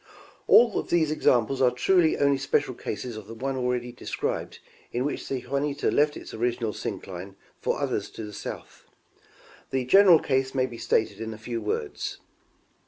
All of these examples are truly only special cases of the one already described in which the Juniata left its original syncline for others to the south. The general case may be stated in a few words.